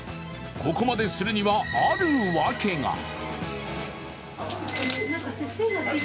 ここまでするには、ある訳が。